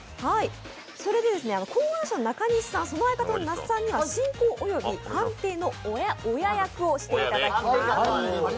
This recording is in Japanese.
考案者の中西さんと那須さんには進行及び判定の親役をしていただきます。